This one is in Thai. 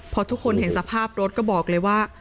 พอทุกคนเห็นสภาพรถก็บอกเลยว่า